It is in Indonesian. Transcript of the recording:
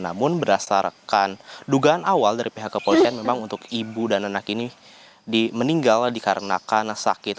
namun berdasarkan dugaan awal dari pihak kepolisian memang untuk ibu dan anak ini meninggal dikarenakan sakit